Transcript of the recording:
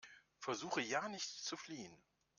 Versuche ja nicht zu fliehen!